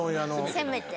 せめて。